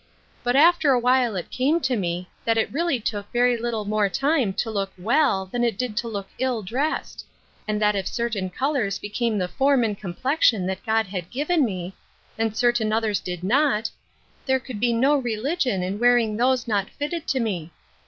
But after awhile it came to me, that it really took very little more time to look well than it did to look ill dressed ; and that if certain colors became the form and complexion that God had given me, One Drop of Oil. 116 and certain others did not, there could be no re ligion in wearing those not fitted to me.